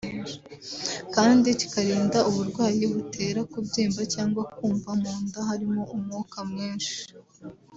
kandi kikarinda uburwayi butera kubyimba cyangwa kumva mu nda harimo umwuka mwinshi